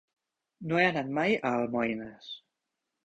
No he anat mai a Almoines.